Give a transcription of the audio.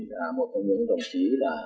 là một trong những đồng chí